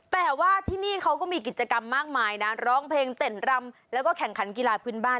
แต่ว่าที่นี่เขาก็มีกิจกรรมมากมายนะร้องเพลงเต้นรำแล้วก็แข่งขันกีฬาพื้นบ้าน